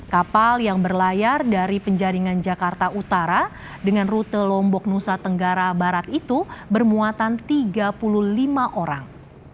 kapal yang berlayar dari penjaringan jakarta utara dengan rute lombok nusa tenggara barat itu bermuatan tiga puluh lima orang